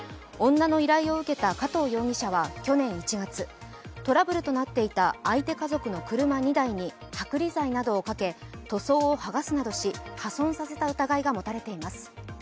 女の依頼を受けた加藤容疑者は去年１月、トラブルとなっていた相手家族の車２台に剥離剤などをかけ、塗装をはがすなどし、破損させた疑いが持たれています。